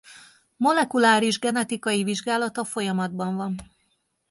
Molekuláris genetikai vizsgálata folyamatban van.